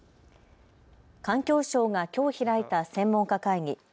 環境省がきょう開いた専門家会議。